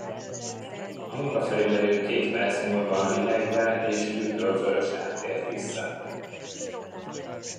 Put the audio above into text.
A munkafelügyelő két perc múlva lihegve és dühtől vörösen tért vissza.